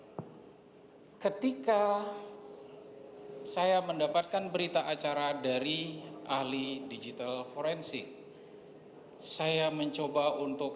ketika saya mendapatkan berita acara dari ahli digital forensik saya mencoba untuk